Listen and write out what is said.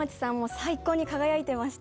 最高に輝いてました。